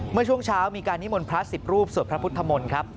เมื่อช่วงเช้ามีการนิมนต์พระ๑๐รูปสวดพระพุทธมนต์ครับ